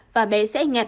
và bé sẽ ngạc nhiệt